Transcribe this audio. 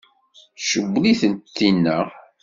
Tcewwel-itent tinna?